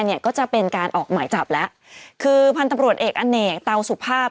เนี่ยก็จะเป็นการออกหมายจับแล้วคือพันธุ์ตำรวจเอกอเนกเตาสุภาพ